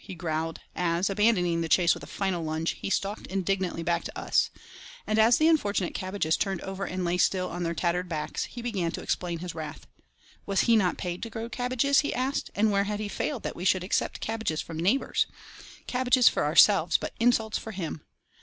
he growled, as, abandoning the chase with a final lunge, he stalked indignantly back to us; and as the unfortunate cabbages turned over and lay still on their tattered backs, he began to explain his wrath. Was he not paid to grow cabbages, he asked, and where had he failed that we should accept cabbages from neighbours? Cabbages for ourselves, but insults for him!